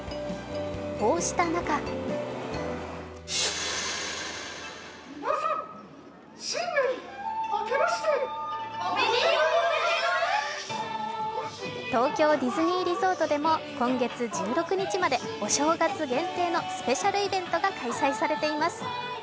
こうした中東京ディズニーリゾートでも今月１６日までお正月限定のスペシャルイベントが開催されています。